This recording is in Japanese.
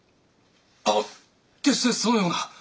あっ決してそのような。